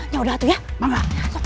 ya udah bangga